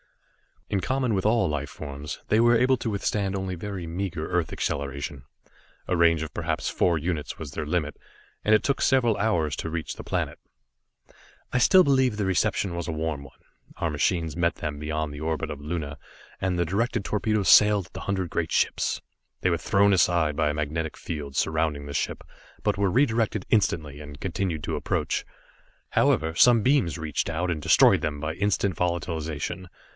In common with all life forms, they were able to withstand only very meager earth acceleration. A range of perhaps four units was their limit, and it took several hours to reach the planet. I still believe the reception was a warm one. Our machines met them beyond the orbit of Luna, and the directed torpedoes sailed at the hundred great ships. They were thrown aside by a magnetic field surrounding the ship, but were redirected instantly, and continued to approach. However, some beams reached out, and destroyed them by instant volatilization.